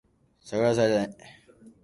桜が咲いたね